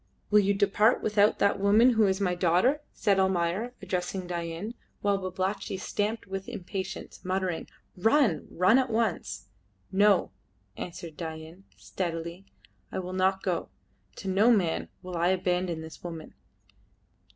"Will you depart without that woman who is my daughter?" said Almayer, addressing Dain, while Babalatchi stamped with impatience, muttering, "Run! Run at once!" "No," answered Dain, steadily, "I will not go; to no man will I abandon this woman."